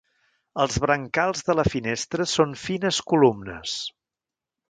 Els brancals de la finestra són fines columnes.